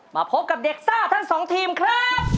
พบกับเด็กซ่าทั้งสองทีมครับ